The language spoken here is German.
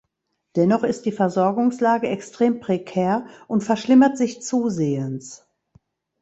Dennoch ist die Versorgungslage extrem prekär und verschlimmert sich zusehends.